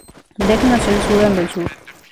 Deng nació en Sudán del Sur.